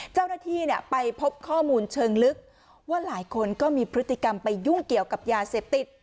เจ้าหน้าที่ไปพบข้อมูลเชิงลึกว่าหลายคนก็มีพฤติกรรมไปยุ่งเกี่ยวกับยาเสพติด